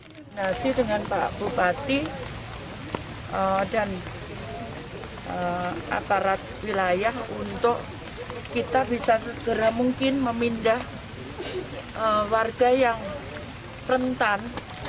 saya berterima kasih dengan pak bupati dan aparat wilayah untuk kita bisa segera mungkin memindah warga yang rentan